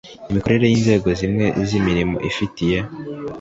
imikorere y inzego zimwe z imirimo ifitiye